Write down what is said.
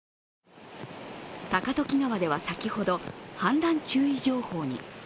高時川では先ほど氾濫注意情報に。